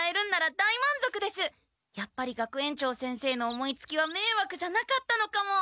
やっぱり学園長先生の思いつきはめいわくじゃなかったのかも。